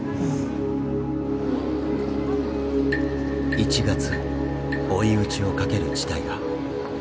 １月追い打ちをかける事態が。